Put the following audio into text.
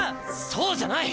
そうじゃない！